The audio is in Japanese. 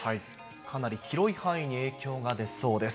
かなり広い範囲に影響が出そうです。